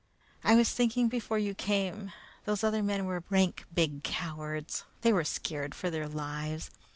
"I was thinking before you came. Those other men were rank big cowards. They were scared for their lives.